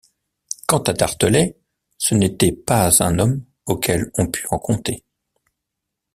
Quant à Tartelett, ce n’était pas un homme auquel on pût en conter.